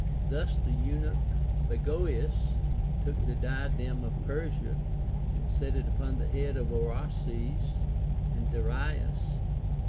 Thus the eunuch Bagoas took the diadem of Persia, and set it upon the head of Oarses and Darius.